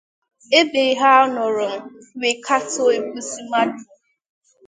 ebe ha nọrọ wee katọọ igbusi mmadụ